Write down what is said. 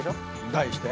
題して？